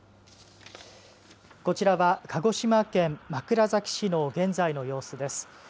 こちらは鹿児島県枕崎市の現在の様子です。